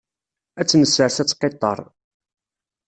Ad tt-nessers ad teqqiṭṭer.